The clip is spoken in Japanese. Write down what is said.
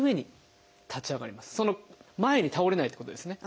前に倒れないってことですね。